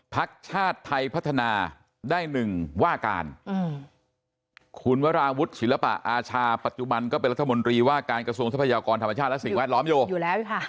พักชาติไทยพัฒนาได้หนึ่งว่าการคุณวราวุฒิศิลปะอาชาปัจจุบันก็เป็นรัฐมนตรีว่าการกระทรวงทรัพยากรธรรมชาติและสิ่งแวดล้อมอยู่อยู่แล้วค่ะ